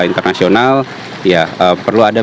internasional ya perlu ada